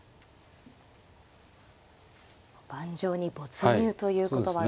盤上に没入という言葉が。